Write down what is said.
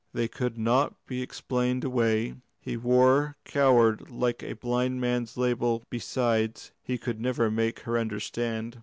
They could not be explained away; he wore "coward" like a blind man's label; besides, he could never make her understand.